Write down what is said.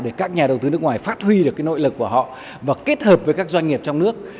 để các nhà đầu tư nước ngoài phát huy được nội lực của họ và kết hợp với các doanh nghiệp trong nước